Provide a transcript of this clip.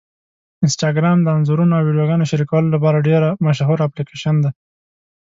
انسټاګرام د انځورونو او ویډیوګانو شریکولو لپاره ډېره مشهوره اپلیکېشن ده.